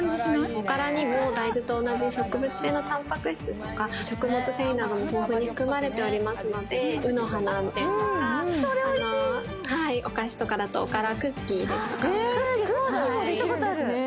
おからにも大豆と同じ植物性のたんぱく質とか食物繊維なども豊富に含まれていますので、卯の花ですとか、お菓子とかだとおからクッキーですとか。